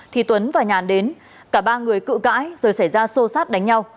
thì tuấn và nhàn đến cả ba người cự cãi rồi xảy ra xô xát đánh nhau